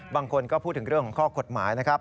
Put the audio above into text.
บางคนก็พูดถึงเรื่องของข้อกฎหมายนะครับ